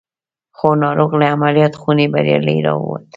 خو ناروغ له عملیات خونې بریالی را وووت